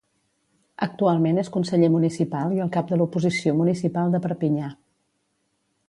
Actualment és conseller municipal i el cap de l'oposició municipal de Perpinyà.